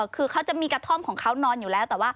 คือเขาจะมีกระท่อมของเขานอนอยู่แล้วแต่ว่า